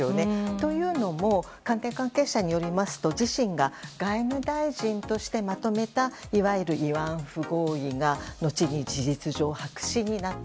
というのも官邸関係者によりますと自身が外務大臣としてまとめたいわゆる慰安婦合意が後に事実上白紙になった。